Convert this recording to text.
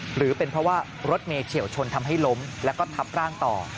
หรือเป็นเพราะว่ารถเมย์เฉียวชนทำให้ล้มแล้วก็ทับร่างต่อ